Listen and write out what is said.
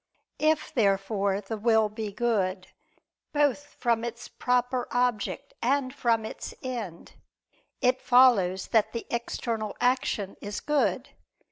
If therefore the will be good, both from its proper object and from its end, if follows that the external action is good.